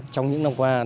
trong những năm qua